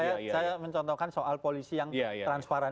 saya mencontohkan soal polisi yang transparan